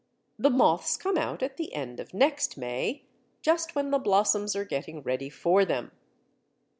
The moths come out at the end of next May, just when the blossoms are getting ready for them.